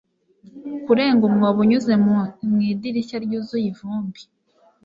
Kurenga umwobo unyuze mu idirishya ryuzuye ivumbi